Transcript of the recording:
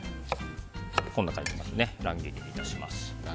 こんな感じに乱切りにいたします。